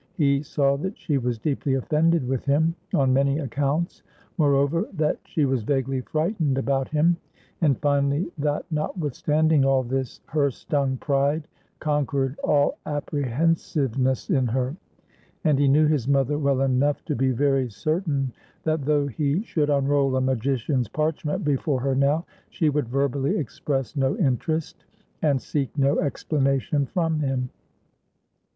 He saw that she was deeply offended with him, on many accounts; moreover, that she was vaguely frightened about him, and finally that notwithstanding all this, her stung pride conquered all apprehensiveness in her; and he knew his mother well enough to be very certain that, though he should unroll a magician's parchment before her now, she would verbally express no interest, and seek no explanation from him.